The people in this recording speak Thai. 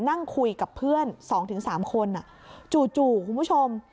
นั่งคุยกับเพื่อนสองถึงสามคนอ่ะจู่จู่คุณผู้ชม